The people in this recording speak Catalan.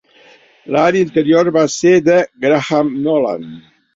L'art interior va ser de Graham Nolan.